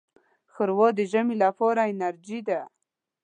ښوروا د ژمي لپاره انرجۍ ده.